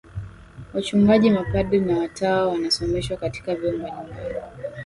Wachungaji mapadri na watawa wanasomeshwa katika vyuo mbalimbali